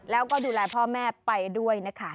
แล้วก็ดูแลพ่อแม่ไปด้วยนะคะ